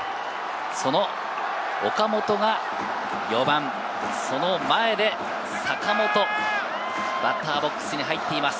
その岡本が４番、その前で坂本、バッターボックスに入っています。